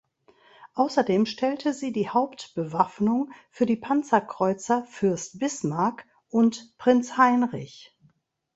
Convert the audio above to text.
Außerdem stellte sie die Hauptbewaffnung für die Panzerkreuzer "Fürst Bismarck" und "Prinz Heinrich".